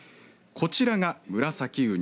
こちらがムラサキウニ。